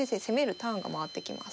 ターンが回ってきます。